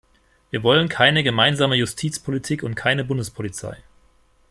Wir wollen keine gemeinsame Justizpolitik und keine Bundespolizei.